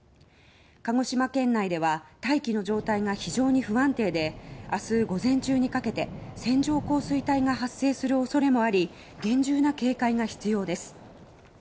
鹿児島県内では大気の状態が非常に不安定で明日午前中にかけて線状降水帯が発生するおそれもあり厳重な警戒が必要です。